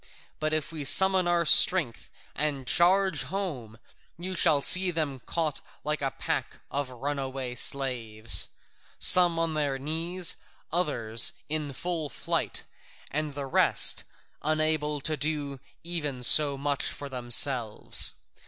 But if we summon our strength and charge home, you shall see them caught like a pack of runaway slaves, some on their knees, others in full flight, and the rest unable to do even so much for themselves.